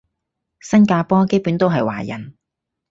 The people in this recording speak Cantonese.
新加坡基本都係華人